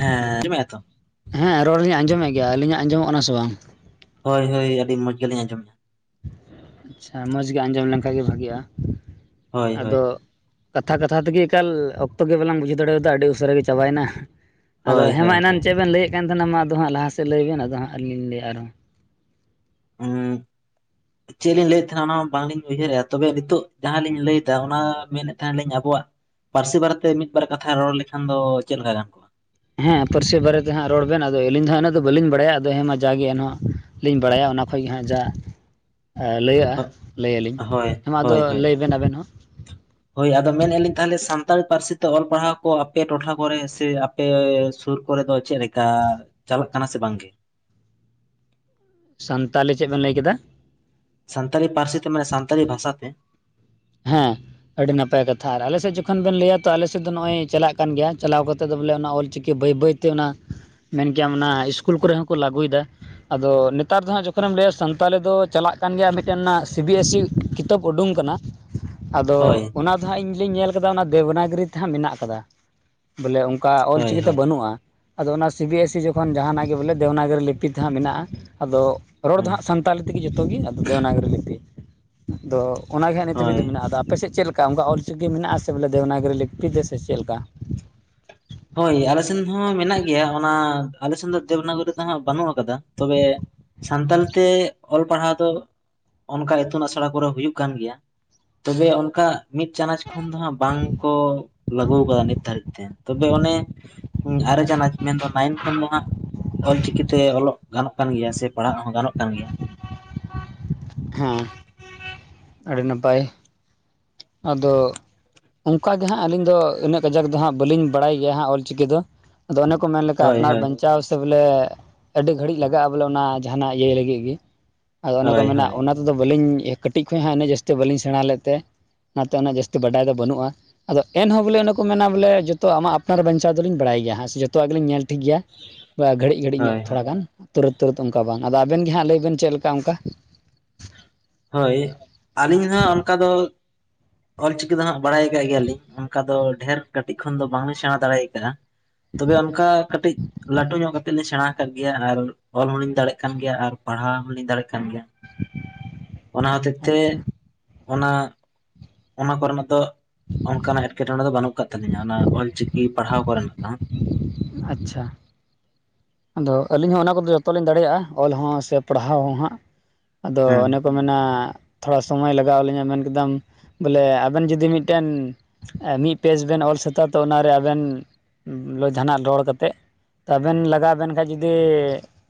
ᱦᱮᱸ [unintelligible] ᱦᱮᱸ ᱨᱚᱲ ᱞᱤᱧ ᱟᱡᱚᱢ ᱮᱫ ᱜᱮᱭᱟ ᱟᱹᱞᱤᱧᱟᱜ ᱟᱸᱡᱚᱢᱚᱜ ᱠᱟᱱᱟ ᱥᱮ ᱵᱟᱝ ᱦᱳᱭ ᱦᱳᱭ ᱟᱹᱰᱤ ᱢᱚᱡᱽ ᱜᱮᱞᱤᱧ ᱟᱸᱡᱚᱢᱮᱜ-ᱟ ᱟᱪᱪᱷᱟ ᱢᱚᱡᱽ ᱜᱮ ᱟᱸᱡᱚᱢ ᱞᱮᱱ ᱠᱷᱟᱡ ᱜᱮ ᱵᱷᱟᱜᱤᱜᱼᱟ ᱦᱳᱭ ᱦᱳᱭ ᱟᱫᱚᱼᱼ ᱠᱟᱛᱷᱟ ᱠᱟᱛᱷᱟ ᱛᱮᱜᱮ ᱮᱠᱟᱞ ᱚᱠᱛᱚ ᱜᱮ ᱵᱟᱞᱟᱝ ᱵᱩᱡᱷᱟᱹ ᱫᱟᱲᱮᱭ ᱟᱫᱟ ᱟᱹᱰᱤ ᱩᱥᱟᱹᱨᱟ ᱜᱮ ᱪᱟᱵᱟᱭ ᱮᱱᱟ ᱟᱫᱚ ᱦᱳᱭ ᱦᱮᱸ ᱢᱟ ᱦᱳᱭ ᱮᱱᱟᱱ ᱦᱳᱭ ᱪᱮᱫ ᱵᱮᱱ ᱞᱟᱹᱭ ᱮᱫ ᱠᱟᱱ ᱛᱟᱦᱮᱱᱟ ᱢᱟ ᱟᱫᱚ ᱦᱟᱸᱜ ᱞᱟᱦᱟ ᱥᱮᱫ ᱞᱟᱹᱭᱵᱮᱱ ᱟᱫᱚ ᱦᱟᱸᱜ ᱟᱹᱞᱤᱧ ᱞᱤᱧ ᱞᱟᱹᱭᱟᱹ ᱟᱨᱦᱚᱸ ᱦᱩᱸ ᱪᱮᱫ ᱞᱤᱧ ᱞᱟᱹᱭᱮᱫ ᱛᱟᱦᱮᱱᱟ ᱚᱱᱟ ᱦᱚᱸ ᱵᱟᱝᱞᱤᱧ ᱩᱭᱦᱟᱹᱨᱮᱫᱼᱟ ᱛᱚᱵᱮ ᱱᱤᱛᱚᱜ ᱡᱟᱦᱟᱸ ᱞᱤᱧ ᱞᱟᱹᱭᱫᱟ ᱚᱱᱟ ᱢᱮᱱᱮᱫ ᱛᱟᱦᱮᱱᱟ ᱞᱤᱧ ᱟᱵᱚᱣᱟᱜ [unintelligible] ᱯᱟᱹᱨᱥᱤ ᱵᱟᱨᱮᱛᱮ ᱢᱤᱫ ᱵᱟᱨ ᱠᱟᱛᱷᱟ ᱨᱚᱲ ᱞᱮᱠᱷᱟᱱ ᱫᱚ ᱪᱮᱫ ᱞᱮᱠᱟ ᱜᱟᱱ ᱠᱚᱜᱼᱟ ᱦᱮᱸ ᱯᱟᱹᱨᱥᱤ ᱵᱟᱨᱮᱛᱮ ᱦᱟᱸᱜ ᱨᱚᱲ ᱵᱮᱱ ᱟᱫᱚ ᱟᱹᱞᱤᱧ ᱫᱚ ᱤᱱᱟᱹᱜ ᱫᱚ ᱵᱟᱹᱞᱤᱧ ᱵᱟᱲᱟᱭᱟ ᱟᱫᱚ ᱦᱮᱸ ᱢᱟ ᱡᱟᱜᱮ ᱮᱱᱦᱚᱸ ᱞᱤᱧ ᱵᱟᱲᱟᱭᱟ ᱚᱱᱟ ᱠᱷᱚᱡ ᱜᱮ ᱦᱟᱸᱜ ᱡᱟᱼᱼ ᱞᱟᱹᱭᱟᱹ ᱞᱟᱹᱭ ᱟᱞᱤᱧ ᱦᱳᱭ ᱦᱮᱸ ᱢᱟ ᱟᱫᱚ ᱦᱳᱭ ᱦᱳᱭ ᱞᱟᱹᱭ ᱵᱮᱱ ᱟᱵᱮᱱ ᱦᱚᱸ ᱦᱳᱭ ᱟᱫᱚ ᱢᱮᱱᱮ ᱟᱹᱞᱤᱧ ᱛᱟᱦᱚᱞᱮ ᱥᱟᱱᱛᱟᱲᱤ ᱯᱟᱹᱨᱥᱤ ᱛᱮ ᱚᱞ ᱯᱟᱲᱦᱟᱣ ᱠᱚ ᱟᱯᱮ ᱴᱚᱴᱷᱟ ᱠᱚᱨᱮ ᱥᱮ ᱟᱯ ᱟᱯᱮ ᱥᱩᱨ ᱠᱚᱨᱮ ᱫᱚ ᱪᱮᱫ ᱞᱮᱠᱟ ᱪᱟᱞᱟᱜ ᱠᱟᱱᱟ ᱥᱮ ᱵᱟᱝ ᱜᱮ? ᱥᱟᱱᱛᱟᱞᱤ ᱪᱮᱫ ᱵᱮᱱ ᱞᱟᱹᱭ ᱠᱮᱫᱟ? ᱥᱟᱱᱛᱟᱞᱤ ᱯᱟᱹᱨᱥᱤ ᱛᱮ ᱢᱟᱱᱮ ᱥᱟᱱᱛᱟᱞᱤ ᱵᱷᱟᱥᱟ ᱛᱮ ᱾ ᱦᱮᱸ ᱾ ᱟᱹᱰᱤ ᱱᱟᱯᱟᱭ ᱠᱟᱛᱷᱟ ᱟᱨ ᱟᱞᱮ ᱥᱮᱫ ᱡᱚᱠᱷᱚᱱ ᱵᱮᱱ ᱞᱟᱹᱭᱟ ᱛᱚ ᱟᱞᱮ ᱥᱮᱫ ᱫᱚ ᱱᱚᱜᱼᱚᱭ ᱪᱟᱞᱟᱜ ᱠᱟᱱ ᱜᱮᱭᱟ ᱪᱟᱞᱟᱣ ᱠᱟᱛᱮᱫ ᱫᱚ ᱵᱚᱞᱮ ᱚᱱᱟ ᱚᱞ ᱪᱤᱠᱤ ᱵᱟᱹᱭ ᱵᱟᱹᱭ ᱛᱮ ᱚᱱᱟ ᱢᱮᱱ ᱜᱮᱭᱟᱢ ᱚᱱᱟ ᱩᱤᱥᱠᱩᱞ ᱠᱚᱨᱮ ᱦᱚᱸᱠᱚ ᱞᱟᱹᱜᱩᱭᱮᱫᱟ, ᱟᱫᱚ ᱱᱮᱛᱟᱨ ᱫᱚ ᱦᱟᱸᱜ ᱡᱚᱠᱷᱚᱱᱮᱢ ᱞᱟᱹᱭᱟ ᱥᱟᱱᱛᱟᱞᱤ ᱫᱚ ᱪᱟᱞᱟᱜ ᱠᱟᱱ ᱜᱮᱭᱟ ᱢᱤᱫᱴᱮᱱ ᱥᱤ ᱵᱤ ᱮᱥ ᱥᱤ ᱠᱤᱛᱟᱹᱵ ᱩᱰᱩᱝ ᱠᱟᱱᱟ, ᱟᱫᱚ ᱦᱳᱭ ᱚᱱᱟ ᱫᱚ ᱦᱟᱸᱜ ᱤᱧ ᱧᱮᱞ ᱟᱠᱟᱫᱟ ᱚᱱᱟ ᱫᱮᱵᱱᱟᱜᱤᱨᱤ ᱛᱮ ᱦᱟᱸᱜ ᱢᱮᱱᱟᱜ ᱟᱠᱟᱫᱟ ᱵᱚᱞᱮ ᱚᱠᱟ ᱚᱞ ᱦᱳᱭ ᱪᱤᱠᱤ ᱛᱮ ᱦᱳᱭ ᱵᱟᱹᱱᱩᱜᱼᱟ, ᱟᱫᱚ ᱚᱱᱟ ᱥᱤ ᱵᱤ ᱮᱥ ᱥᱤ ᱡᱚᱠᱷᱚᱱ ᱡᱟᱦᱟᱱᱟᱜ ᱜᱮ ᱵᱚᱞᱮ ᱫᱮᱣᱱᱟᱜᱨᱤ ᱞᱤᱯᱤ ᱛᱮ ᱦᱟᱸᱜ ᱢᱮᱱᱟᱜᱼᱟ ᱟᱫᱚ ᱨᱚᱲ ᱫᱚ ᱦᱟᱸᱜ ᱥᱟᱱᱛᱟᱞᱤ ᱛᱮᱜᱮ ᱡᱚᱛᱚ ᱜᱮ ᱟᱫᱚ ᱫᱮᱣᱱᱟᱜᱨᱤ ᱞᱤᱯᱤ ᱟᱫᱚ ᱚᱱᱟᱜᱮ ᱦᱳᱭ ᱥᱩᱵᱤᱫᱟ ᱢᱮᱱᱟᱜᱼᱟ, ᱟᱫᱚ ᱟᱯᱮᱥᱮᱫ ᱪᱮᱫ ᱞᱮᱠᱟ ᱚᱱᱠᱟ ᱚᱞ ᱪᱤᱠᱤ ᱢᱮᱱᱟᱜᱼᱟ ᱥᱮ ᱵᱚᱞᱮ ᱫᱮᱣᱱᱟᱜᱨᱤ ᱞᱤᱯᱤ ᱛᱮ ᱥᱮ ᱪᱮᱫ ᱞᱮᱠᱟ? ᱦᱳᱭ ᱟᱞᱮ ᱥᱮᱱ ᱦᱚᱸ ᱢᱮᱱᱟᱜ ᱜᱮᱭᱟ ᱚᱱᱟ ᱟᱞᱮ ᱥᱮᱱ ᱫᱚ ᱫᱮᱣᱱᱟᱜᱨᱤ ᱫᱚ ᱦᱟᱸᱜ ᱵᱟᱹᱱᱩᱜ ᱟᱠᱟᱫᱟ ᱛᱚᱵᱮ ᱥᱟᱱᱛᱟᱞᱤ ᱛᱮ ᱚᱞ ᱯᱟᱲᱦᱟᱣ ᱫᱚ ᱚᱱᱠᱟ ᱤᱛᱩᱱ ᱟᱥᱲᱟ ᱠᱚᱨᱮ ᱦᱩᱭᱩᱜ ᱠᱟᱱ ᱜᱮᱭᱟ ᱛᱚᱵᱮ ᱚᱱᱠᱟ ᱢᱤᱫ ᱪᱟᱱᱟᱪ ᱠᱷᱚᱱ ᱫᱚ ᱦᱟᱸᱜ ᱵᱟᱝ ᱠᱚ ᱞᱟᱹᱜᱩ ᱟᱠᱟᱫᱟ ᱱᱤᱛ ᱫᱷᱟᱹᱨᱤᱡ ᱛᱮ ᱛᱚᱵᱮ ᱚᱱᱮ ᱟᱨᱮ ᱪᱟᱱᱟᱪ ᱢᱮᱱᱫᱚ ᱱᱟᱭᱤᱱ ᱠᱷᱚᱱ ᱫᱚ ᱦᱟᱸᱜ ᱚᱞ ᱪᱤᱠᱤ ᱛᱮ ᱚᱞᱚᱜ ᱜᱟᱱᱚᱜ ᱠᱟᱱ ᱜᱮᱭᱟ ᱥᱮ ᱯᱟᱲᱦᱟᱜ ᱦᱚᱸ ᱜᱟᱱᱚᱜ ᱠᱟᱱ ᱜᱮᱭᱟ ᱾ ᱦᱮᱸ ᱟᱹᱰᱤ ᱱᱟᱯᱟᱭ ᱟᱫᱚ ᱚᱱᱠᱟ ᱜᱮ ᱦᱟᱸᱜ ᱟᱹᱞᱤᱧ ᱫᱚ ᱤᱱᱟᱹᱜ ᱜᱟᱡᱟᱠ ᱫᱚ ᱦᱟᱸᱜ ᱵᱟᱹᱞᱤᱧ ᱵᱟᱲᱟᱭ ᱜᱮᱭᱟ ᱦᱟᱸᱜ ᱚᱞ ᱪᱤᱠᱤ ᱫᱚ, ᱟᱫᱚ ᱚᱱᱮ ᱠᱚ ᱢᱮᱱ ᱞᱮᱠᱟ ᱦᱳᱭ ᱟᱯᱱᱟᱨ ᱦᱳᱭ ᱵᱟᱧᱪᱟᱣ ᱥᱮ ᱵᱚᱞᱮ ᱟᱹᱰᱤ ᱜᱷᱟᱹᱲᱤᱡ ᱞᱟᱜᱟᱜᱼᱟ ᱵᱚᱞᱮ ᱚᱱᱟ ᱡᱟᱦᱟᱱᱟᱜ ᱤᱭᱟᱹ ᱞᱟᱹᱜᱤᱫ ᱜᱮ ᱟᱫᱚ ᱚᱱᱮ ᱠᱚ ᱦᱳᱭ ᱢᱮᱱᱟ ᱦᱳᱭ ᱚᱱᱟ ᱛᱮᱫᱚ ᱵᱟᱹᱞᱤᱧ ᱠᱟᱹᱴᱤᱡ ᱠᱷᱚᱡ ᱦᱚᱸ ᱩᱱᱟᱹᱜ ᱡᱟᱹᱥᱛᱤ ᱵᱟᱹᱞᱤᱧ ᱥᱮᱬᱟ ᱞᱮᱫ ᱛᱮ ᱚᱱᱟᱛᱮ ᱩᱱᱟᱹᱜ ᱡᱟᱹᱥᱛᱤ ᱵᱟᱰᱟᱭ ᱫᱚ ᱵᱟᱹᱱᱩᱜᱼᱟ, ᱟᱫᱚ ᱮᱱᱦᱚᱸ ᱵᱚᱞᱮ ᱚᱱᱮ ᱠᱚ ᱢᱮᱱᱟ ᱵᱚᱞᱮ ᱡᱚᱛᱚ ᱟᱢᱟᱜ ᱟᱯᱱᱟᱨ ᱵᱟᱧᱪᱟᱣ ᱫᱚᱞᱤᱧ ᱵᱟᱲᱟᱭ ᱜᱮᱭᱟ ᱦᱟᱜ ᱥᱮ ᱡᱚᱛᱚᱣᱟᱜ ᱜᱮᱞᱤᱧ ᱧᱮᱞ ᱴᱷᱤᱠ ᱜᱮᱭᱟ ᱵᱟ ᱜᱷᱟᱹᱲᱤᱡ ᱜᱷᱟᱹᱲᱤᱡ ᱧᱚᱜ ᱦᱳᱭ ᱦᱳᱭ ᱛᱷᱚᱲᱟ ᱜᱟᱱ ᱛᱩᱨᱟᱹᱛ ᱛᱩᱨᱟᱹᱛ ᱚᱱᱠᱟ ᱵᱟᱝ ᱟᱫᱚ ᱟᱵᱮᱱ ᱜᱮ ᱦᱟᱸᱜ ᱞᱟᱹᱭ ᱵᱮᱱ ᱪᱮᱫ ᱞᱮᱠᱟ ᱚᱱᱠᱟ? ᱦᱳᱭ ᱟᱹᱞᱤᱧ ᱦᱚᱸ ᱚᱱᱠᱟ ᱫᱚ ᱚᱞ ᱪᱤᱠᱤ ᱫᱚ ᱦᱟᱸᱜ ᱵᱟᱲᱟᱭ ᱟᱠᱟᱫ ᱜᱮᱭᱟᱞᱤᱧ ᱚᱱᱠᱟ ᱫᱚ ᱰᱷᱮᱨ ᱠᱟᱹᱴᱤᱡ ᱠᱷᱚᱱ ᱫᱚ ᱵᱟᱝᱞᱤᱧ ᱥᱮᱬᱟ ᱫᱟᱲᱮ ᱟᱠᱟᱟᱜᱼᱟ, ᱛᱚᱵᱮ ᱚᱱᱠᱟ ᱠᱟᱹᱴᱤᱡ ᱞᱟᱹᱴᱩ ᱧᱚᱜ ᱠᱟᱛᱮ ᱞᱤᱧ ᱥᱮᱬᱟ ᱠᱟᱫ ᱜᱮᱭᱟ, ᱟᱨ ᱚᱞ ᱦᱚᱸᱞᱤᱧ ᱫᱟᱲᱮᱜ ᱠᱟᱱ ᱜᱮᱭᱟ, ᱟᱨ ᱯᱟᱲᱦᱟᱣ ᱦᱚᱸᱞᱤᱧ ᱫᱟᱲᱮᱭᱟᱜ ᱠᱟᱱ ᱜᱮᱭᱟ, [inaudible] ᱚᱱᱟ ᱦᱚᱛᱮᱛ ᱛᱮ ᱟᱪᱪᱷᱟ ᱚᱱᱟ ᱚᱱᱟ ᱠᱚᱨᱮᱱᱟᱜ ᱫᱚ ᱚᱱᱠᱟᱱᱟᱜ ᱮᱴᱠᱮᱴᱚᱬᱮ ᱫᱚ ᱵᱟᱹᱱᱩᱜ ᱟᱠᱟᱫ ᱛᱟᱹᱟᱞᱤᱧᱟ ᱚᱱᱟ ᱚᱞ ᱪᱤᱠᱤ ᱯᱟᱲᱦᱟᱣ ᱠᱚᱨᱮᱱᱟᱜ ᱫᱚ ᱦᱟᱸᱜ ᱾ ᱟᱪᱪᱷᱟ ᱾ ᱟᱫᱚ ᱟᱹᱞᱤᱧ ᱦᱚᱸ ᱚᱱᱟ ᱠᱚᱫᱚ ᱡᱚᱛᱚ ᱞᱤᱧ ᱫᱟᱲᱮᱭᱟᱜᱼᱟ ᱚᱞ ᱦᱚᱸ, ᱥᱮ ᱯᱟᱲᱦᱟᱣ ᱦᱚᱸ ᱦᱟᱸᱜ ᱟᱫᱚ ᱦᱮᱸ ᱚᱱᱮ ᱠᱚ ᱢᱮᱱ ᱚᱱᱟ ᱛᱷᱚᱲᱟ ᱥᱚᱢᱚᱭ ᱞᱟᱜᱟᱣ ᱟᱹᱞᱤᱧᱟ ᱢᱮᱱ ᱠᱮᱫᱟᱢ ᱵᱚᱞᱮ ᱟᱵᱮᱱ ᱡᱩᱫᱤ ᱢᱤᱫᱴᱮᱱ ᱢᱤᱫ ᱯᱮᱡᱽ ᱵᱮᱱ ᱚᱞ ᱥᱟᱹᱛᱟ ᱛᱚ ᱚᱱᱟᱨᱮ ᱟᱵᱮᱱ ᱞ ᱡᱟᱦᱟᱱᱟᱜ ᱨᱚᱲ ᱠᱟᱛᱮᱫ ᱟᱵᱮᱱ ᱞᱟᱜᱟᱣ ᱟᱵᱮᱱ ᱠᱷᱟᱱ ᱡᱩᱫᱤ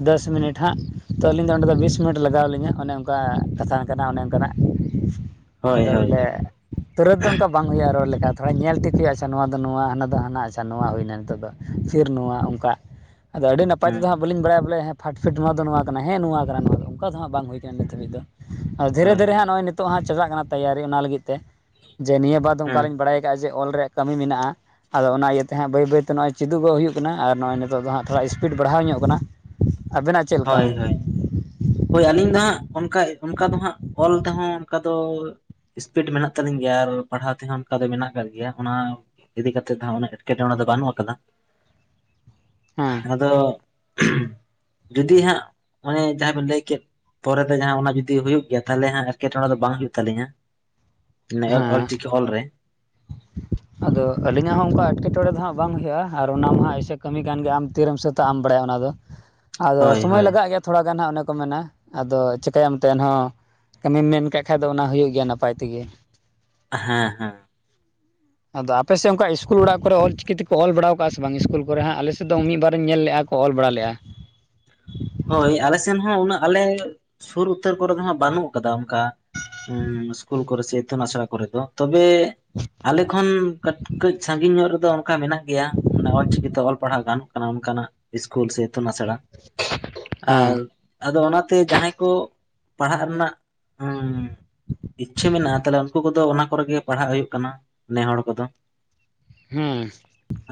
ᱫᱚᱥ ᱢᱤᱱᱤᱴ ᱦᱟᱸᱜ ᱛᱚ ᱟᱹᱞᱤᱧ ᱫᱚ ᱚᱸᱰᱮ ᱫᱚ ᱵᱤᱥ ᱢᱤᱱᱤᱴ ᱞᱟᱜᱟᱣ ᱟᱹᱞᱤᱧᱟ ᱚᱱᱮ ᱚᱱᱠᱟ ᱠᱟᱛᱷᱟ ᱠᱟᱱᱟ ᱚᱱᱮ ᱚᱱᱠᱟᱱᱟᱜ, [inaudible] ᱟᱫᱚ ᱵᱚᱞᱮ ᱦᱳᱭ ᱛᱩᱨᱟᱹᱛ ᱫᱚ ᱚᱱᱠᱟ ᱵᱟᱝ ᱦᱩᱭᱩᱜᱼᱟ ᱨᱚᱲ ᱞᱮᱠᱟ ᱛᱷᱚᱲᱟ ᱧᱮᱞ ᱴᱷᱤᱠ ᱦᱩᱭᱩᱜᱼᱟ ᱟᱪᱪᱷᱟ ᱱᱚᱣᱟ ᱫᱚ ᱱᱚᱣᱟ, ᱦᱟᱱᱟ ᱫᱚ ᱦᱟᱱᱟ ᱟᱪᱪᱷᱟ ᱱᱚᱣᱟ ᱦᱩᱭᱱᱟ ᱱᱤᱛᱚᱜ ᱫᱚ, ᱯᱤᱨ ᱱᱚᱣᱟ ᱚᱱᱠᱟ ᱟᱫᱚ ᱟᱹᱰᱤ ᱱᱟᱯᱟᱭ ᱦᱮᱸ ᱛᱮᱫᱚ ᱦᱟᱸᱜ ᱵᱟᱹᱞᱤᱧ ᱵᱟᱲᱟᱭᱟ ᱵᱚᱞᱮ ᱯᱷᱟᱴ ᱯᱷᱷᱤᱴ ᱱᱚᱣᱟ ᱫᱚ ᱱᱚᱣᱟ ᱠᱟᱱᱟ ᱦᱮᱸ ᱱᱚᱣᱟ ᱠᱟᱱᱟ ᱱᱚᱣᱟ ᱫᱚ ᱚᱱᱠᱟ ᱫᱚ ᱦᱟᱸᱜ ᱵᱟᱝ ᱦᱩᱭ ᱠᱟᱱᱟ ᱱᱤᱛ ᱫᱷᱟᱹᱵᱤᱡ ᱫᱚ᱾ ᱫᱷᱤᱨᱮ ᱦᱳᱭ ᱫᱷᱤᱨᱮ ᱦᱳᱭ ᱦᱟᱸᱜ ᱱᱚᱜᱼᱚᱭ ᱱᱤᱛᱚᱜᱜ ᱦᱟᱜ ᱪᱟᱞᱟᱜ ᱠᱟᱱᱟ ᱛᱮᱭᱟᱨᱤ ᱚᱱᱟ ᱞᱟᱹᱜᱤᱫ ᱛᱮ ᱡᱮ ᱱᱤᱭᱟᱹ ᱵᱟᱫ ᱦᱮᱸ ᱚᱱᱠᱟᱞᱤᱧ ᱵᱟᱲᱟᱭ ᱡᱮ ᱚᱞ ᱨᱮᱭᱟᱜ ᱠᱟᱹᱢᱤ ᱢᱮᱱᱟᱜᱼᱟ ᱟᱫᱚ ᱚᱱᱟ ᱤᱭᱟᱹᱛᱮ ᱦᱟᱸᱜ ᱵᱟᱹᱭ ᱵᱟᱹᱭᱛᱮ ᱱᱚᱜᱚᱭ ᱪᱮᱫᱩᱜᱚᱜ ᱦᱩᱭᱩᱜ ᱠᱟᱱᱟ ᱟᱨ ᱱᱚᱜᱼᱚᱭ ᱱᱤᱛᱚᱜ ᱫᱚ ᱦᱟᱸᱜ ᱛᱷᱚᱲᱟ ᱤᱥᱯᱤᱰ ᱵᱟᱲᱦᱟᱣ ᱧᱚᱜ ᱠᱟᱱᱟ ᱟᱵᱮᱱᱟᱜ ᱪᱮᱫ ᱞᱮᱠᱟ ᱦᱳᱭ ᱦᱳᱭ, ᱦᱳᱭ ᱟᱹᱞᱤᱧ ᱫᱚ ᱦᱟᱸᱜ ᱚᱱᱠᱟ ᱚᱱᱠᱟ ᱫᱚ ᱦᱟᱸᱜ ᱚᱞ ᱛᱮᱦᱚᱸ ᱚᱱᱠᱟ ᱫᱚ ᱥᱤᱥᱯᱤᱰ ᱢᱮᱱᱟᱜ ᱛᱟᱹᱞᱤᱧ ᱜᱮᱭᱟ ᱟᱨ ᱯᱟᱲᱦᱟᱣ ᱛᱮᱦᱚᱸ ᱚᱱᱠᱟ ᱫᱚ ᱢᱮᱱᱟᱜ ᱟᱠᱟᱫ ᱜᱮᱭᱟ ᱚᱱᱟ ᱤᱫᱤ ᱠᱟᱛᱮᱫ ᱫᱚ ᱦᱟᱸᱜ ᱩᱱᱟᱹᱜ ᱮᱸᱴᱠᱮᱴᱚᱬᱮ ᱫᱚ ᱵᱟᱹᱱᱩᱜ ᱠᱟᱫᱟ᱾ ᱦᱮᱸ ᱟᱫᱚ ᱡᱩᱫᱤ ᱦᱟᱸᱜ ᱢᱟᱱᱮ ᱡᱟᱦᱟᱸ ᱵᱮᱤᱱ ᱞᱟᱹᱭ ᱠᱮᱫ ᱯᱚᱨᱮ ᱛᱮ ᱡᱟᱦᱟᱸ ᱚᱱᱟ ᱡᱩᱫᱤ ᱦᱩᱭᱩᱜ ᱜᱮᱭᱟ ᱛᱟᱦᱚᱞᱮ ᱦᱟᱸᱜ ᱮᱴᱠᱮᱴᱚᱬᱮ ᱫᱚ ᱵᱟᱝ ᱦᱩᱭᱩᱜ ᱛᱟᱹᱞᱤᱧᱟ᱾ ᱚᱞ ᱦᱮᱸ ᱪᱤᱠᱤ ᱚᱞ ᱨᱮ ᱟᱫᱚ ᱟᱹᱞᱤᱧᱟᱜ ᱦᱚᱸ ᱚᱱᱠᱟ ᱮᱴᱠᱮᱴᱚᱬᱮ ᱫᱚ ᱦᱟᱸᱜ ᱵᱟᱝ ᱦᱩᱭᱩᱜᱼᱟ ᱟᱨ ᱚᱱᱟ ᱢᱟ ᱮᱭᱥᱮ ᱠᱟᱹᱢᱤ ᱠᱟᱱᱜᱮ ᱟᱢ ᱛᱤᱨᱮᱢ ᱥᱟᱹᱛᱟᱜ ᱟᱢ ᱵᱟᱲᱟᱭᱟ ᱚᱱᱟᱫᱚ᱾ [inaudible] ᱟᱫᱚ ᱥᱚᱢᱚᱭ ᱦᱳᱭ ᱞᱟᱜᱟᱜ ᱜᱮᱭᱟ ᱛᱷᱚᱲᱟ ᱜᱟᱱ ᱦᱟᱸᱜ ᱚᱱᱮ ᱠᱚ ᱢᱮᱱᱟ ᱟᱫᱚ ᱪᱤᱠᱟᱭᱟᱢ ᱮᱱᱦᱚᱸ᱾ ᱠᱟᱹᱢᱤᱢ ᱢᱮᱱ ᱠᱟᱜ ᱠᱷᱟᱡ ᱫᱚ ᱚᱱᱟ ᱦᱩᱭᱩᱜ ᱜᱮᱭᱟ ᱱᱟᱯᱟᱭ ᱛᱮᱜᱮ᱾ ᱦᱮᱸ ᱦᱮᱸ ᱟᱫᱚ ᱟᱯᱮ ᱥᱮᱫ ᱚᱱᱠᱟ ᱤᱥᱠᱩᱞ ᱚᱲᱟᱜ ᱠᱚᱨᱮ ᱚᱞ ᱪᱤᱠᱤ ᱛᱮᱠᱚ ᱚᱞ ᱵᱟᱲᱟᱣ ᱠᱟᱜᱼᱟ ᱥᱮ ᱵᱟᱝ ᱤᱥᱠᱩᱞ ᱠᱚᱨᱮ ᱦᱟᱸᱜ ᱟᱞᱮᱥᱮᱫ ᱫᱚ ᱢᱤᱫ ᱵᱟᱨᱤᱧ ᱧᱮᱞ ᱞᱮᱼᱟ᱾ ᱚᱞ ᱵᱟᱲᱟ ᱞᱮᱭᱼᱟ ᱦᱳᱭ ᱟᱞᱮ ᱥᱮᱱ ᱦᱚᱸ ᱩᱱᱟᱹᱜ ᱟᱞᱮ ᱥᱩᱨ ᱩᱛᱟᱹᱨ ᱠᱚᱨᱮ ᱫᱚᱦᱟᱸᱜ ᱵᱟᱹᱱᱩᱜ ᱠᱟᱫᱟ ᱚᱱᱠᱟ᱾ ᱦᱩᱸ ᱥᱠᱩᱩᱞ ᱠᱚᱨᱮ ᱥᱮ ᱤᱛᱩᱱ ᱟᱥᱲᱟ ᱠᱚᱨᱮ ᱫᱚ ᱛᱚᱵᱮ ᱟᱞᱮ ᱠᱷᱚᱱ ᱠᱟᱹᱴ ᱠᱟᱹᱡ ᱥᱟᱺᱜᱤᱧ ᱧᱚᱜ ᱨᱮᱫᱚ ᱚᱱᱠᱟ ᱢᱮᱱᱟᱜ ᱜᱮᱭᱟ ᱢᱟᱱᱮ ᱚᱞᱪᱤᱠᱤᱛᱮ ᱚᱞ ᱯᱟᱲᱦᱟᱣ ᱜᱟᱱᱚᱜ ᱠᱟᱱᱟ ᱚᱱᱠᱟᱱᱟᱜ ᱤᱥᱠᱩᱞ ᱥᱮ ᱤᱛᱩᱱ ᱟᱥᱲᱟ᱾ [unintelligible] ᱟᱨ ᱟᱫᱚ ᱚᱱᱟᱛᱮ ᱡᱟᱦᱟᱸᱭ ᱠᱚ ᱯᱟᱲᱦᱟᱜ ᱨᱮᱱᱟᱜ ᱤᱪᱪᱷᱟᱹ ᱢᱮᱱᱟᱜᱼᱟ ᱛᱟᱦᱚᱞᱮ ᱩᱱᱠᱩ ᱠᱚᱫᱚ ᱚᱱᱟ ᱠᱚᱨᱮᱜᱮ ᱯᱟᱲᱦᱟᱜ ᱦᱩᱭᱩᱜ ᱠᱟᱱᱟ ᱱᱮ ᱦᱚᱲ ᱠᱚᱫᱚ᱾ ᱦᱮᱸᱻ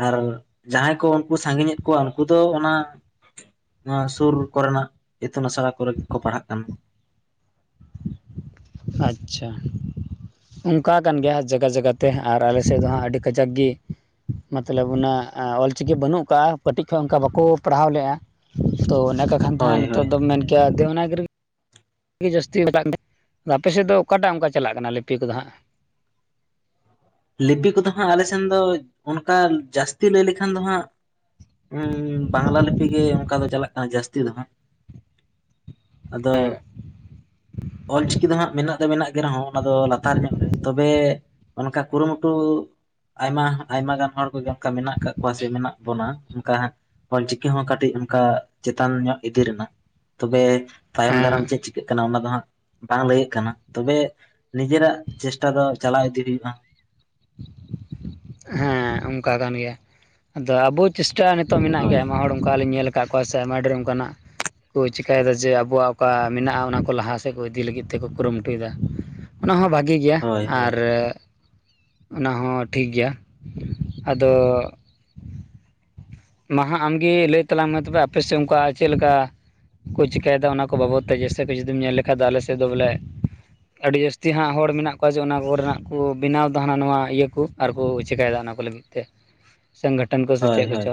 ᱟᱨ ᱡᱟᱦᱟᱸᱭ ᱠᱚ ᱩᱱᱠᱩ ᱥᱟᱺᱜᱤᱧᱮᱫ ᱠᱚᱣᱟ ᱩᱱᱠᱩ ᱫᱚ ᱚᱱᱟ ᱛᱩᱨ ᱠᱚᱨᱮᱱᱟᱜ ᱤᱛᱩᱱ ᱟᱥᱲᱟ ᱠᱚᱨᱮ ᱜᱮ ᱠᱚ ᱯᱟᱲᱦᱟᱜ ᱠᱟᱱᱟ᱾ ᱟᱪᱪᱷᱟ ᱚᱱᱠᱟ ᱠᱟᱱ ᱜᱮᱭᱟ ᱡᱟᱜᱟ ᱡᱟᱜᱟᱛᱮ ᱟᱨ ᱟᱞᱮ ᱥᱮᱫ ᱫᱚ ᱦᱟᱸᱜ ᱟᱹᱰᱤ ᱠᱟᱡᱟᱠ ᱜᱤ ᱢᱚᱛᱞᱚᱵ ᱚᱱᱟ ᱚᱞᱪᱤᱠᱤ ᱵᱟᱹᱱᱩᱜ ᱟᱠᱟᱫᱟᱼᱟ ᱠᱟᱹᱴᱤᱡ ᱠᱷᱚᱡ ᱚᱱᱠᱟ ᱵᱟᱠᱚ ᱯᱟᱲᱦᱟᱣ ᱞᱮᱫᱼᱟ᱾ ᱛᱚ ᱚᱱᱮ [unintelligible] ᱦᱳᱭ ᱱᱤᱛᱚᱜ ᱦᱳᱭ ᱫᱚᱢ ᱢᱮᱱ ᱠᱮᱭᱟ ᱫᱮ ᱚᱱᱟ ᱜᱮ ᱡᱟᱹᱥᱛᱤ ᱢᱮᱛᱟᱜ ᱟᱫᱚ ᱟᱯᱮ ᱥᱮᱫ ᱫᱚ ᱚᱠᱟᱴᱟᱜ ᱚᱱᱠᱟ ᱪᱟᱞᱟᱜ ᱠᱟᱱᱟ ᱞᱤᱯᱤ ᱠᱚᱫᱚ ᱦᱟᱸᱜ? ᱞᱤᱯᱤ ᱠᱚᱫᱚ ᱦᱟᱸᱜ ᱟᱞᱮ ᱥᱮᱱ ᱫᱚ ᱚᱱᱠᱟ ᱡᱟᱹᱥᱛᱤ ᱞᱟᱹᱭ ᱞᱮᱠᱷᱟᱱ ᱫᱚ ᱦᱟᱸᱜ ᱦᱮᱸ ᱵᱟᱝᱞᱟ ᱞᱤᱯᱤ ᱜᱮ ᱚᱱᱠᱟ ᱫᱚ ᱪᱟᱞᱟᱜ ᱠᱟᱱᱟ ᱡᱟᱹᱥᱛᱤ ᱫᱚ ᱦᱟᱸᱜ᱾ ᱦᱮᱸ ᱟᱫᱚ ᱚᱞ ᱪᱤᱠᱤ ᱫᱚ ᱦᱟᱸᱜ ᱢᱮᱱᱟᱜ ᱫᱚ ᱢᱮᱱᱟᱜ ᱜᱮ ᱨᱮᱦᱚᱸ ᱚᱱᱟ ᱫᱚ ᱞᱟᱛᱟᱨ ᱧᱚᱜ ᱨᱮ ᱛᱚᱵᱮ ᱚᱱᱠᱟ ᱠᱩᱨᱩᱢᱩᱴᱩ ᱟᱭᱢᱟ ᱟᱭᱢᱟ ᱜᱟᱱ ᱦᱚᱲ ᱠᱚᱜᱮ ᱚᱝᱠᱟ ᱢᱮᱱᱟᱜ ᱟᱠᱟᱜ ᱠᱚᱣᱟ ᱥᱮ ᱢᱮᱱᱟᱜ ᱵᱚᱱᱟ ᱚᱝᱠᱟ ᱦᱟᱸᱜ ᱚᱞ ᱪᱤᱠᱤ ᱦᱚᱸ ᱠᱟᱹᱴᱤᱡ ᱚᱱᱠᱟ ᱪᱮᱛᱟᱱ ᱧᱚᱜ ᱤᱫᱤ ᱨᱮᱱᱟᱜ ᱛᱚᱵᱮ ᱛᱟᱭᱚᱢ ᱦᱮᱸ ᱫᱟᱨᱟᱢ ᱪᱮᱫ ᱪᱤᱠᱟᱹᱜ ᱠᱟᱱᱟ ᱚᱱᱟ ᱫᱚ ᱦᱟᱸᱜ ᱵᱟᱝ ᱞᱟᱹᱭᱟᱹᱜ ᱠᱟᱱᱟ ᱛᱚᱵᱮ ᱱᱤᱡᱮᱨᱟᱜ ᱪᱮᱥᱴᱟ ᱫᱚ ᱪᱟᱞᱟᱣ ᱤᱫᱤ ᱦᱩᱭᱩᱜᱼᱟ᱾ ᱦᱮᱸ ᱚᱝᱠᱟ ᱠᱟᱱ ᱜᱮᱭᱟ ᱟᱫᱚ ᱟᱵᱚ ᱪᱮᱥᱴᱟ ᱱᱤᱛᱚᱜ ᱢᱮᱱᱟᱜ ᱦᱳᱭ ᱜᱮᱭᱟ ᱟᱭᱢᱟ ᱦᱚᱲ ᱚᱝᱠᱟ ᱦᱚᱸ ᱞᱤᱧ ᱧᱮᱞ ᱟᱠᱟᱜ ᱠᱚᱣᱟ ᱥᱮ ᱟᱭᱢᱟ ᱰᱷᱮᱨ ᱚᱱᱠᱟᱱᱟᱜ ᱠᱚ ᱪᱮᱠᱟᱭᱮᱫᱟ ᱡᱮ ᱟᱵᱚᱣᱟᱜ ᱚᱠᱟ ᱢᱮᱱᱟᱜᱼᱟ ᱚᱱᱟ ᱠᱚ ᱞᱟᱦᱟ ᱥᱮᱫ ᱠᱚ ᱤᱫᱤ ᱞᱟᱹᱜᱤᱫ ᱛᱮᱠᱚ ᱠᱩᱨᱩᱢᱩᱴᱩᱭᱮᱫᱟ᱾ ᱚᱱᱟ ᱦᱚᱸ ᱵᱷᱟᱹᱜᱤ ᱜᱮᱭᱟ ᱦᱳᱭ ᱦᱳᱭ ᱟᱨ ᱚᱱᱟ ᱦᱚᱸ ᱴᱷᱤᱠ ᱜᱮᱭᱟ ᱟᱫᱚ ᱢᱟ ᱦᱟᱸᱜ ᱟᱢᱜᱮ ᱞᱟᱹᱭ ᱛᱟᱞᱟᱝ ᱢᱮ ᱛᱚᱵᱮ ᱟᱯᱮᱥᱮᱫ ᱚᱝᱠᱟ ᱪᱮᱫ ᱞᱮᱠᱟ ᱠᱚ ᱪᱮᱠᱟᱭᱮᱫᱟ ᱚᱱᱟ ᱠᱚ ᱵᱟᱵᱚᱫ ᱛᱮ ᱜᱮ ᱥᱮ ᱡᱩᱫᱤᱢ ᱧᱮᱞ ᱞᱮᱠᱷᱟᱫ ᱫᱚ ᱟᱞᱮ ᱥᱮᱫ ᱫᱚ ᱵᱚᱞᱮ ᱟᱹᱰᱤ ᱡᱟᱹᱥᱛᱤ ᱦᱟᱸᱜ ᱦᱚᱲ ᱢᱮᱱᱟᱜ ᱠᱚᱣᱟ ᱡᱮ ᱚᱱᱟ ᱠᱚᱨᱮᱱᱟᱜ ᱠᱚ ᱵᱮᱱᱟᱣ ᱫᱟ ᱦᱟᱱᱟ ᱱᱟᱣᱟ ᱤᱭᱟᱹ ᱠᱚ ᱟᱨᱠᱚ ᱪᱮᱠᱟᱭᱮᱫᱟ ᱚᱱᱟ ᱠᱚ ᱞᱟᱹᱜᱤᱫ ᱛᱮ [inaudible] ᱥᱚᱝᱜᱚᱴᱷᱚᱱ ᱠᱚ ᱥᱮ ᱪᱮᱫ ᱠᱚᱪᱚ